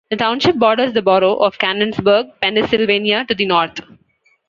The township borders the borough of Canonsburg, Pennsylvania to the north.